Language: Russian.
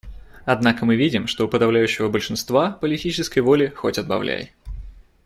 Однако мы видим, что у подавляющего большинства политической воли хоть отбавляй.